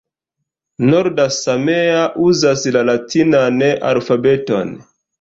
Norda samea uzas la latinan alfabeton.